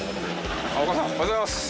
丘さんおはようございます。